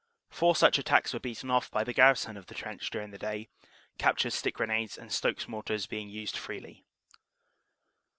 Four such attacks were beaten off by the gar rison of the trench during the day, captured stick grenades and Stokes mortars being used freely.